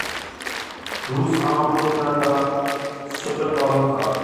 روس عام ملک نہ تھا، سپر پاور تھا۔